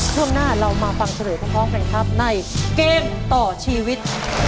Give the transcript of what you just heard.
ช่วงหน้าเรามาฟังเฉลยพร้อมกันครับในเกมต่อชีวิต